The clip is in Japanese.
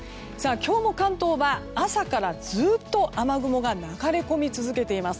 今日も関東は朝からずっと雨雲が流れ込み続けています。